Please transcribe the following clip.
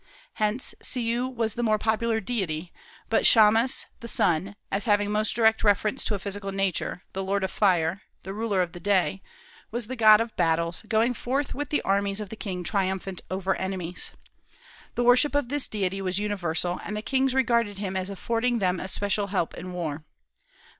Hence, Siu was the more popular deity; but Shamas, the sun, as having most direct reference to physical nature, "the lord of fire," "the ruler of the day," was the god of battles, going forth with the armies of the king triumphant over enemies. The worship of this deity was universal, and the kings regarded him as affording them especial help in war.